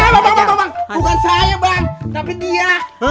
bukan saya bang tapi dia